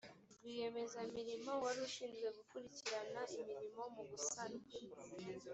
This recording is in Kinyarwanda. rwiyemezamirimo wari ushinzwe gukurikirana imirimo mu gusana